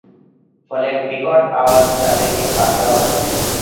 ফলে এক বিকট আওয়াজ তাদেরকে পাকড়াও করে।